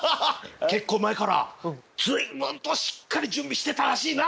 結構前から随分としっかり準備してたらしいな？